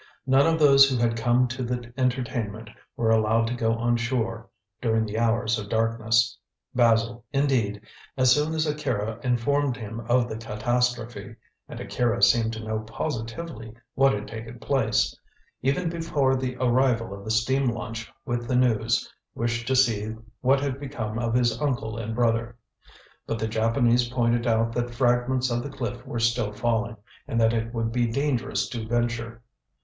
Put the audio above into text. None of those who had come to the entertainment were allowed to go on shore during the hours of darkness. Basil, indeed, as soon as Akira informed him of the catastrophe and Akira seemed to know positively what had taken place, even before the arrival of the steam launch with the news wished to see what had become of his uncle and brother. But the Japanese pointed out that fragments of the cliff were still falling, and that it would be dangerous to venture.